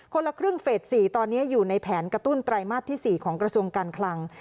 ละครึ่งเฟส๔ตอนนี้อยู่ในแผนกระตุ้นไตรมาสที่๔ของกระทรวงการคลัง